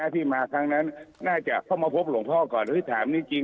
หน้าที่มาคางนั้นน่าจะเข้ามาพบหลงพ่อก่อนเลยถามนี้จริง